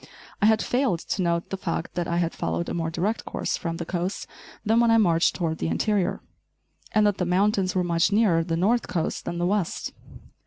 I had failed to note the fact that I had followed a more direct course from the coast than when I marched toward the interior, and that the mountains were much nearer the north coast than the west.